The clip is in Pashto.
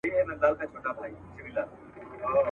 څپلۍ د اوسپني په پښو کړو پېشوا ولټوو.